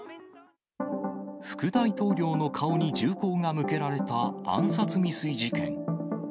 副大統領の顔に銃口が向けられた、暗殺未遂事件。